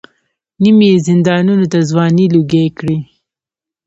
نیم یې زندانونو ته ځوانۍ لوګۍ کړې.